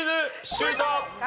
シュート！